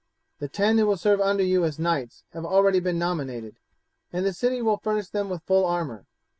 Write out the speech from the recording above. The ten who will serve under you as knights have already been nominated, and the city will furnish them with full armour.